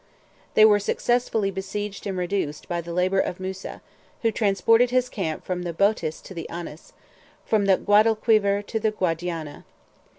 They were successively besieged and reduced by the labor of Musa, who transported his camp from the Boetis to the Anas, from the Guadalquivir to the Guadiana.